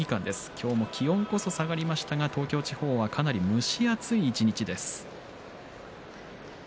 今日も気温こそ下がりましたが東京地方、蒸し暑い一日です。